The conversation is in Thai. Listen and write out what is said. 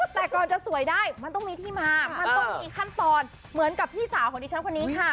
แต่ก่อนจะสวยได้มันต้องมีที่มามันต้องมีขั้นตอนเหมือนกับพี่สาวของดิฉันคนนี้ค่ะ